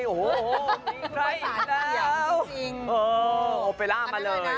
โอปเวลามาเลย